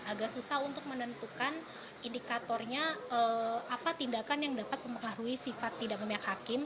agak susah untuk menentukan indikatornya apa tindakan yang dapat mempengaruhi sifat tidak memihak hakim